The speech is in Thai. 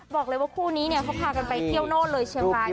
บอกเลยว่าคู่นี้เนี่ยเขาพากันไปเที่ยวโน่นเลยเชียงราย